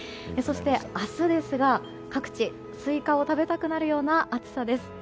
明日ですが、各地スイカを食べたくなるような暑さです。